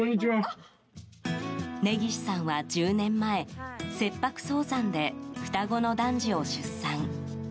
根岸さんは１０年前切迫早産で双子の男児を出産。